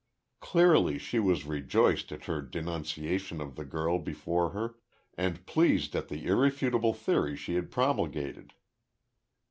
Clearly, she was rejoiced at her denunciation of the girl before her, and pleased at the irrefutable theory she had promulgated.